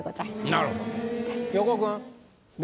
なるほど。